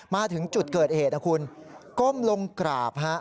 มาถึงจุดเกิดเหตุนะคุณก้มลงกราบ